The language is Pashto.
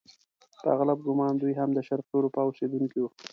په اغلب ګومان دوی هم د شرقي اروپا اوسیدونکي وو.